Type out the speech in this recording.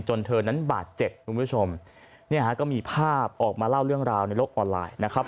เธอนั้นบาดเจ็บคุณผู้ชมเนี่ยฮะก็มีภาพออกมาเล่าเรื่องราวในโลกออนไลน์นะครับ